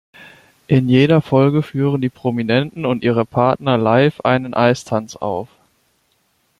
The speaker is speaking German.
In jeder Folge führen die Prominenten und ihre Partner live einen Eistanz auf.